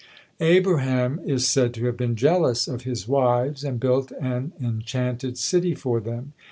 Abraham is said to have been jealous of his wives, and built an enchanted city for them.